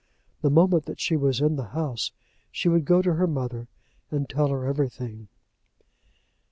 The moment that she was in the house she would go to her mother and tell her everything.